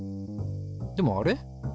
でもあれ？